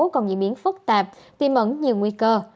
còn diễn biến phức tạp tìm ẩn nhiều nguy cơ